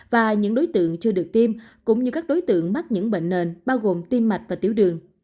và những đối tượng chưa được tiêm cũng như các đối tượng mắc những bệnh nền bao gồm tim mạch và tiểu đường